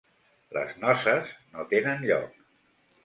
Les noces no tenen lloc.